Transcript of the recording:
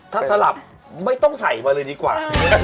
ถ้าสลับไม่ต้องใส่มาเลยดีกว่า